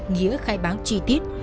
nghĩa khai báo chi tiết